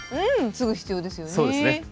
うんすぐ必要ですよね。